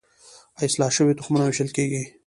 اصلاح شوي تخمونه ویشل کیږي.